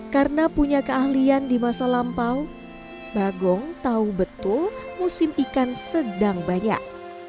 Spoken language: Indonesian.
karena punya keahlian di masa lampau bagong tahu betul musim ikan sedang banyak